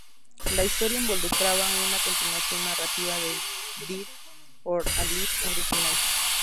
La historia involucraba una continuación narrativa del Dead or Alive original.